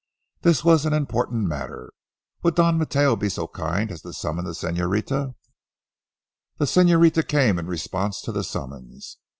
This was an important matter. Would Don Mateo be so kind as to summon the señorita? The señorita came in response to the summons.